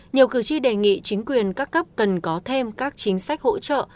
nhiều cử tri đề nghị chính quyền các cấp cần có thêm các chính sách hỗ trợ